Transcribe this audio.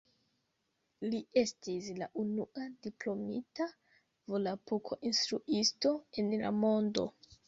Li estis la unua diplomita volapuko-instruisto en la mondo.